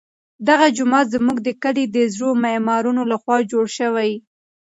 دغه جومات زموږ د کلي د زړو معمارانو لخوا جوړ شوی.